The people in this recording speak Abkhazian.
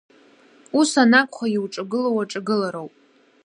Ус анакәха, иуҿагыло уаҿагылароуп.